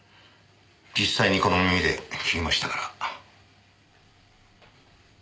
実際にこの耳で聞きましたから。